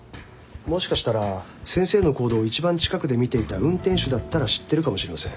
もしかしたら先生の行動を一番近くで見ていた運転手だったら知ってるかもしれません。